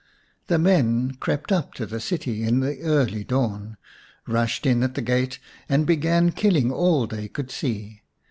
The men crept up to the city in the early dawn, rushed in at the gate, and began killing all they could see.